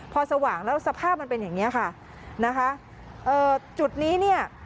พอสว่างแล้วสภาพมันเป็นอย่างเงี้ยค่ะนะคะเอ่อจุดนี้เนี่ย